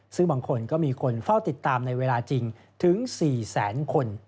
ซึ่งบางคนก็มีคนเฝ้าติดตามในเวลาจริงถึง๔แสนคน